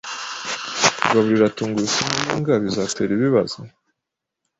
Kugaburira tungurusumu yimbwa bizatera ibibazo?